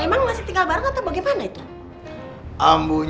emang masih tinggal bareng atau bagaimana itu